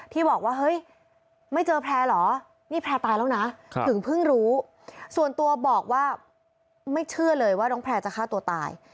ที่บอกว่าเฮ้ยไม่เจอแพร่เหรอนี่แพร่ตายแล้วนะถึงเพิ่งรู้ส่วนตัวบอกว่าไม่เชื่อเลยว่าน้องแพร่จะฆ่าตัวตาย